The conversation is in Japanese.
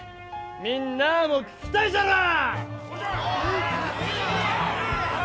みんなあも聞きたいじゃろう？